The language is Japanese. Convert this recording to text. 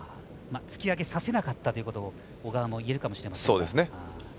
突き上げさせなかったということも小川もいえるかもしれません。